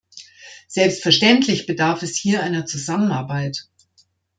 Selbstverständlich bedarf es hier einer Zusammenarbeit.